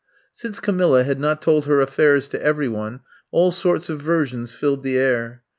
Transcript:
Since Camilla had not told her affairs to every one all sorts of versions filled the air.